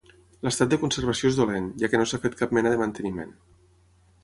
L'estat de conservació és dolent, ja que no s'ha fet cap mena de manteniment.